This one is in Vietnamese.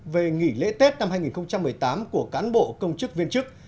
về nghỉ lễ tết năm hai nghìn một mươi tám của cán bộ công chức viên chức